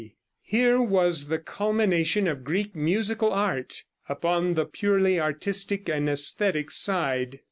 Here was the culmination of Greek musical art upon the purely artistic and æsthetic side.